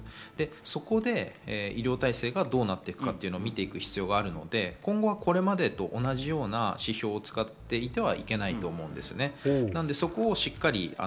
そこで医療体制がどうなっていくのか見ていく必要があるので、これまでと同じような指標を使っていてはいけないと思うんです。